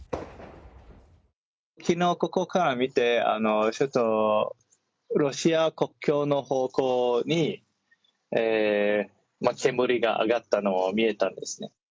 きのうここから見て、ちょっとロシア国境の方向に、煙が上がったのを見えたんですね。